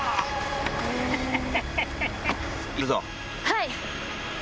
はい！